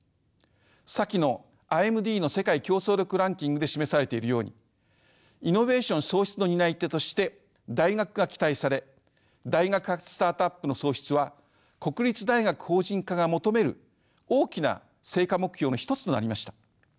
先のＩＭＤの世界競争力ランキングで示されているようにイノベーション創出の担い手として大学が期待され大学発スタートアップの創出は国立大学法人化が求める大きな成果目標の一つとなりました。